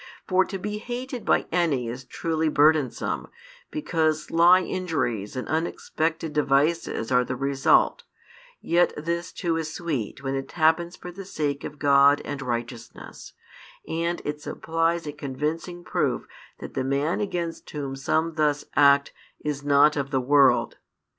For to be hated by any is truly burdensome, because sly injuries and unexpected devices are the result; yet this too is sweet when it happens for the sake of God and righteousness, and it supplies a convincing proof that the man against whom some thus act is not of the world.